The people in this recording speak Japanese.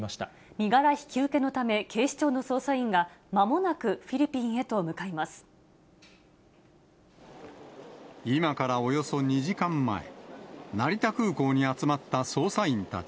身柄引き受けのため、警視庁の捜査員がまもなくフィリピンへ今からおよそ２時間前、成田空港に集まった捜査員たち。